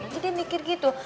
jadi dia mikir gitu